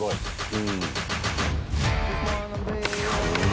うん。